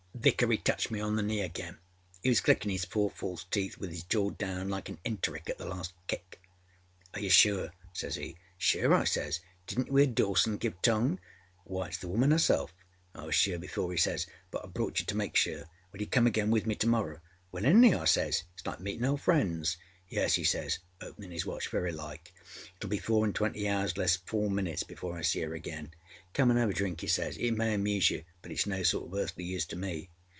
âVickery touched me on the knee again. He was clickinâ his four false teeth with his jaw down like an enteric at the last kick. âAre you sure?â says he. âSure,â I says, âdidnât you âear Dawson give tongue? Why, itâs the woman herself.â âI was sure before,â he says, âbut I brought you to make sure. Will you come again with me to morrow?â ââWillingly,â I says, âitâs like meetinâ old friends.â ââYes,â he says, openinâ his watch, âvery like. It will be four and twenty hours less four minutes before I see her again. Come and have a drink,â he says. âIt may amuse you, but itâs no sort of earthly use to me.